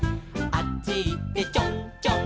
「あっちいってちょんちょん」